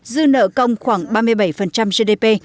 dư nợ công khoảng ba mươi bảy gdp